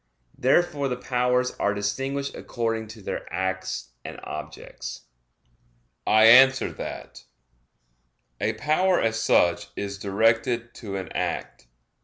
Therefore the powers are distinguished according to their acts and objects. I answer that, A power as such is directed to an act.